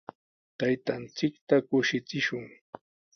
Taytanchikta kushichishun.